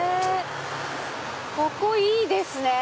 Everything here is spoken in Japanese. ここいいですね！